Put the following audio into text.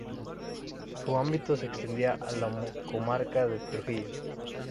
Su ámbito se extendía a la comarca de Trujillo.